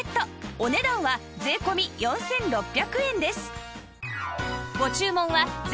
お値段は税込４６００円です